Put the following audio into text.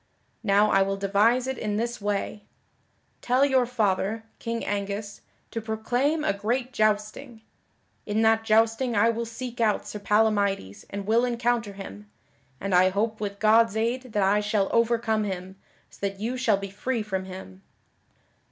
Now I will devise it in this way: tell your father, King Angus, to proclaim a great jousting. In that jousting I will seek out Sir Palamydes and will encounter him, and I hope with God's aid that I shall overcome him, so that you shall be free from him."